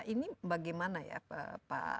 ini bagaimana ya pak